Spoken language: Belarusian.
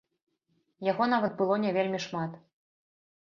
Яго нават было не вельмі шмат!